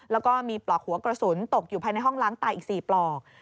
แล้วก็มีปลอกหัวกระสุนตกอยู่ภายในห้องล้างตายอีก๔ปลอก